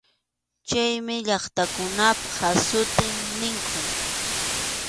Chaymi llaqtakunap hasut’in niqku.